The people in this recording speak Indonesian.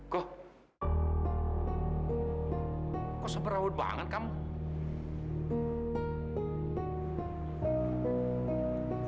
kok sabar awet banget kamu